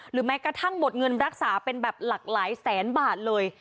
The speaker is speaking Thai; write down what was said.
แม้กระทั่งหมดเงินรักษาเป็นแบบหลากหลายแสนบาทเลย